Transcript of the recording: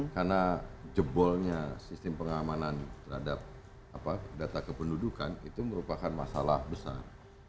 karena jebolnya sistem pengamanan terhadap data kependudukan itu merupakan masalah besar